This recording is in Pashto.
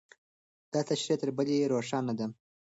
دا تشریح تر بلې روښانه ده.